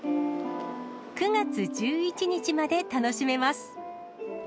９月１１日まで楽しめます。